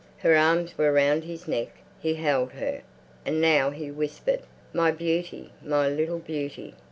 Her arms were round his neck; he held her. And now he whispered, "My beauty, my little beauty!"